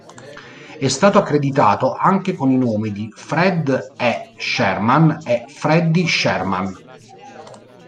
È stato accreditato anche con i nomi Fred E. Sherman e Freddy Sherman.